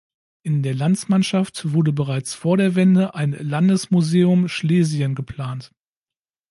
In der Landsmannschaft wurde bereits vor der Wende ein „Landesmuseum Schlesien“ geplant.